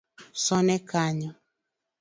Sone kanyo